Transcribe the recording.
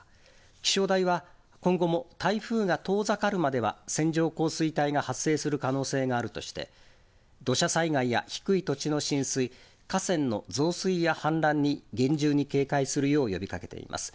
気象台は今後も台風が遠ざかるまでは線状降水帯が発生する可能性があるとして、土砂災害や低い土地の浸水、河川の増水や氾濫に厳重に警戒するよう呼びかけています。